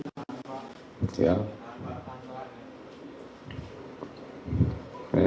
ini ada beberapa alat alat elektrik lainnya ini masih didalami